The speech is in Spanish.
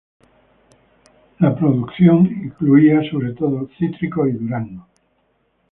La producción incluía sobre todo cítricos y duraznos.